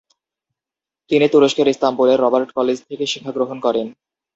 তিনি তুরস্কের ইস্তাম্বুলের Robert college থেকে শিক্ষা গ্রহণ করেন।